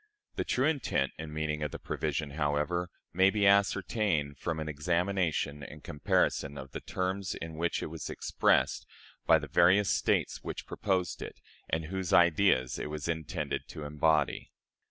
The true intent and meaning of the provision, however, may be ascertained from an examination and comparison of the terms in which it was expressed by the various States which proposed it, and whose ideas it was intended to embody.